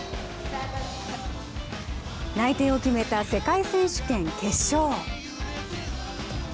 内定を決めた世界選手権・決勝。